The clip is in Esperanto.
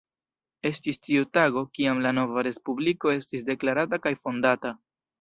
Estis tiu tago, kiam la nova respubliko estis deklarata kaj fondata.